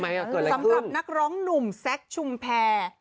สำหรับนักร้องหนุ่มแซคชุมแพร